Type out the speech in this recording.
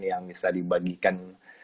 yang bisa dibagikan